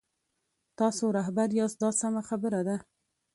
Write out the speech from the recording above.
تاسو رهبر یاست دا سمه خبره ده.